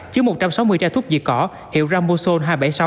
chứa một trăm sáu mươi trái thuốc diệt cỏ hiệu rambosol hai trăm bảy mươi sáu